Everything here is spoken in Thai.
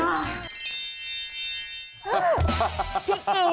เอาวางอ้อนดีพี่กินนั่งให้น้องหน่อยนะ